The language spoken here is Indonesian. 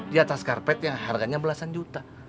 di atas karpet yang harganya belasan juta